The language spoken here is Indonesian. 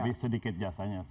lebih sedikit jasanya